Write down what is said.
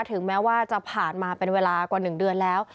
ถึงแม้ว่าจะผ่านมาเป็นเวลากว่า๑เดือนแล้ว